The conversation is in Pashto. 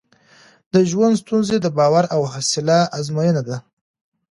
د ژوند ستونزې د باور او حوصله ازموینه ده.